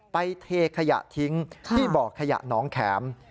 เทขยะทิ้งที่บ่อขยะน้องแข็ม